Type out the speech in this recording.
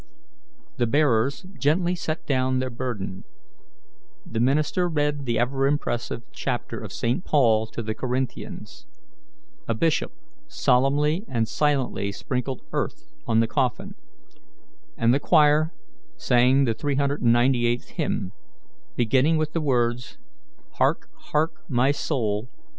The bearers gently set down their burden; the minister read the ever impressive chapter of St. Paul to the Corinthians; a bishop solemnly and silently sprinkled earth on the coffin; and the choir sang the 398th hymn, beginning with the words, "Hark, hark my soul!